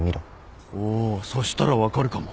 おそしたら分かるかも。